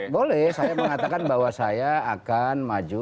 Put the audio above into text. boleh saya mengatakan bahwa saya akan maju